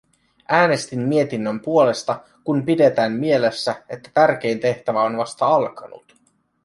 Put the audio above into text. Äänestin mietinnön puolesta, kun pidetään mielessä, että tärkein tehtävä on vasta alkanut.